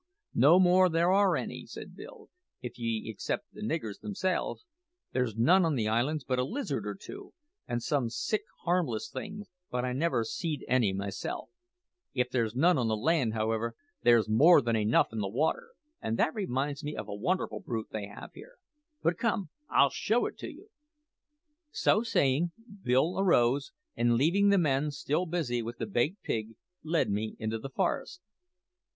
"No more there are any," said Bill, "if ye except the niggers themselves. There's none on the islands but a lizard or two, and some sich harmless things; but I never seed any myself. If there's none on the land, however, there's more than enough in the water; and that reminds me of a wonderful brute they have here. But come, I'll show it to you." So saying, Bill arose, and leaving the men still busy with the baked pig, led me into the forest.